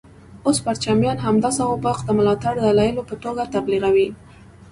اوس پرچمیان همدا سوابق د ملاتړ دلایلو په توګه تبلیغوي.